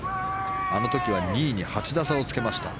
あの時は２位に８打差をつけました。